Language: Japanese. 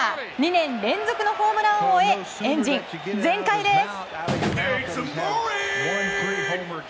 ２年連続のホームラン王へエンジン全開です。